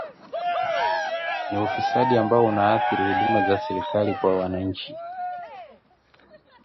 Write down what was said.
ni ufisadi ambao unaathiri huduma za serikali kwa wananchi